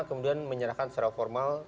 kemudian menyerahkan secara formal